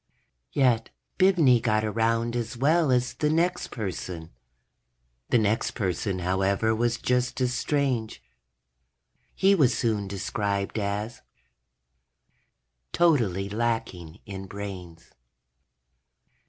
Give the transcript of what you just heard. _ Yet Bibney got around as well as the next person. The next person, however, was just as strange. He was soon described as: _... totally lacking in brains.